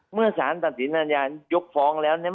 เมื่อสารตัดสินอาญายกฟ้องแล้วเนี่ย